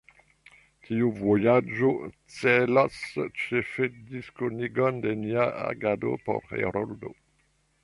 Tiu vojaĝo celos ĉefe diskonigon de nia agado por Heroldo.